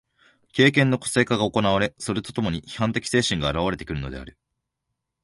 経験の個性化が行われ、それと共に批判的精神が現われてくるのである。